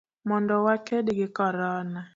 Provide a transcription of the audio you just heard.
mondo waked gi Corona.